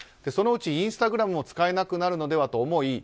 そのうちインスタグラムも使えなくなるのではと思い